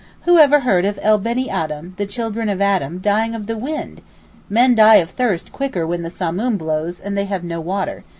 Whoever heard of el Beni Adam (the children of Adam) dying of the wind? Men die of thirst quicker when the Samoom blows and they have no water.